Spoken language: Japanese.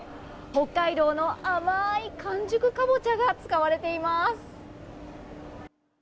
北海道の甘い完熟カボチャが使われています。